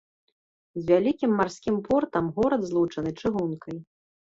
З вялікім марскім портам горад злучаны чыгункай.